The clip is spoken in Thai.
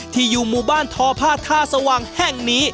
อยู่หมู่บ้านทอผ้าท่าสว่างแห่งนี้